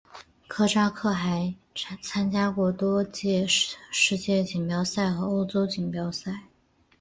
科扎克还参加过多届世界锦标赛和欧洲锦标赛。